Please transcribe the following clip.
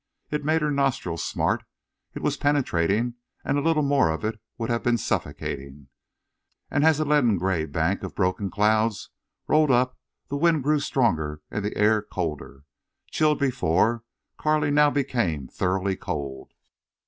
It made her nostrils smart. It was penetrating, and a little more of it would have been suffocating. And as a leaden gray bank of broken clouds rolled up the wind grew stronger and the air colder. Chilled before, Carley now became thoroughly cold.